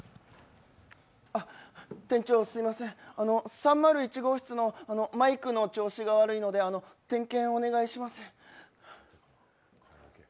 店長、すいません、３０１号室のマイクの調子が悪いので点検をお願いします。